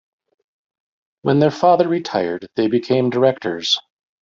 When their father retired, they became directors.